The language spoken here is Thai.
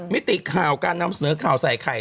มิติข่าวการนำเสนอข่าวใส่ไข่